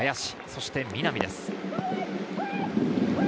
そして南です。